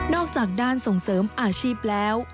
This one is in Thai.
จากด้านส่งเสริมอาชีพแล้ว